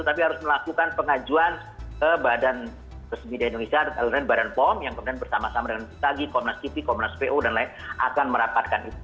tapi harus melakukan pengajuan ke badan resmi di indonesia badan pom yang kemudian bersama sama dengan tagi komnas kipi komnas po dan lain akan merapatkan itu